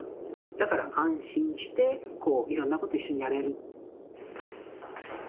だから安心してこういろんなこと一緒にやれる。